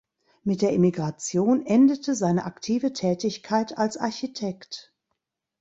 Mit der Emigration endete seine aktive Tätigkeit als Architekt.